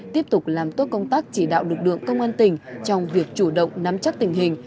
tiếp tục làm tốt công tác chỉ đạo lực lượng công an tỉnh trong việc chủ động nắm chắc tình hình